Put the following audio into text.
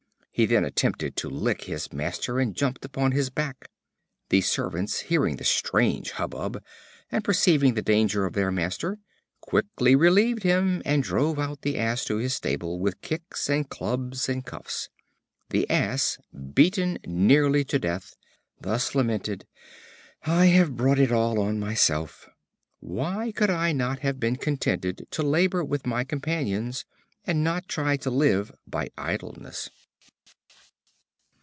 He then attempted to lick his master, and jumped upon his back. The servants hearing the strange hubbub, and perceiving the danger of their master, quickly relieved him, and drove out the Ass to his stable, with kicks, and clubs, and cuffs. The Ass, beaten nearly to death, thus lamented: "I have brought it all on myself! Why could I not have been contented to labor with my companions, and not try to live by idleness?"